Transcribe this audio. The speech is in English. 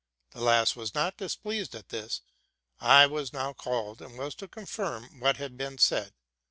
'The lass was not displeased at this: I was now called, and was to confirm what had been said.